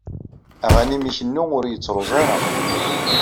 Aɣanim ikennu ur yettruẓ ara.